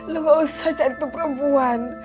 lo enggak usah cari itu perempuan